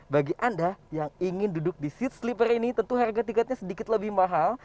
bagi anda yang ingin duduk di seat sleeper ini tentu harga tiketnya sedikit lebih mahal